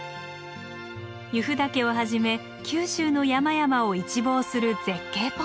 由布岳をはじめ九州の山々を一望する絶景ポイント。